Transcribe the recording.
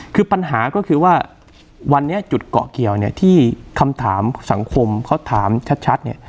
คือปัญหาก็คือว่าวันนี้จุดเกาะเกียวเนี่ยที่คำถามสังคมเขาถามชัดเนี่ย